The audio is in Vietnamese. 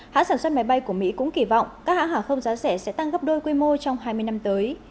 hãng sản xuất máy bay của mỹ cũng kỳ vọng các hãng hàng không giá rẻ sẽ tăng gấp đôi quy mô trong hai mươi năm tới